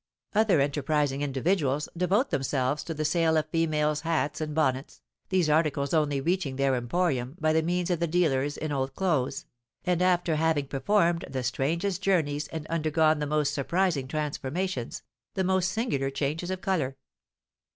Other enterprising individuals devote themselves to the sale of females' hats and bonnets, these articles only reaching their emporium by the means of the dealers in old clothes, and after having performed the strangest journeys and undergone the most surprising transformations, the most singular changes of colour.